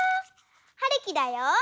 はるきだよ！